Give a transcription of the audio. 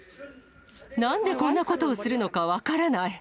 なんでこんなことをするのか分からない。